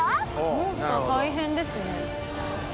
モンスター大変ですね。